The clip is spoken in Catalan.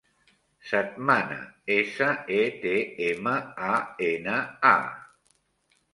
Setmana: essa, e, te, ema, a, ena, a.